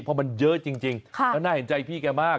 เพราะมันเยอะจริงแล้วน่าเห็นใจพี่แกมาก